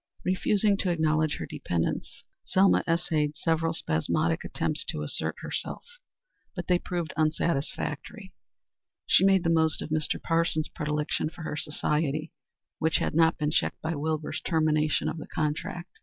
Refusing to acknowledge her dependence, Selma essayed several spasmodic attempts to assert herself, but they proved unsatisfactory. She made the most of Mr. Parsons's predilection for her society, which had not been checked by Wilbur's termination of the contract.